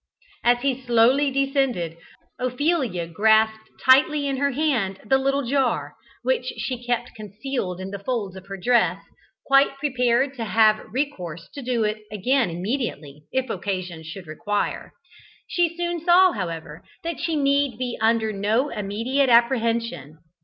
As he slowly descended, Ophelia grasped tightly in her hand the little jar, which she kept concealed in the folds of her dress, quite prepared to have recourse to it again immediately, if occasion should require. She soon saw, however, that she need be under no immediate apprehension.